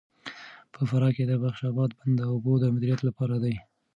په فراه کې د بخش اباد بند د اوبو د مدیریت لپاره دی.